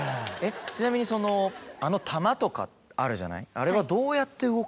ちなみにあの球とかあるじゃないあれは。